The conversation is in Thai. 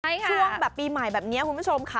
ช่วงแบบปีใหม่แบบนี้คุณผู้ชมค่ะ